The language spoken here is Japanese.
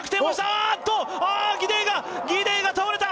あっとああギデイがギデイが倒れた！